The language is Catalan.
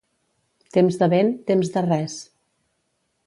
Temps de vent, temps de res.